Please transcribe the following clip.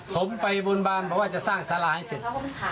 ผมไปบนบานบอกว่าจะสร้างสาราให้เสร็จ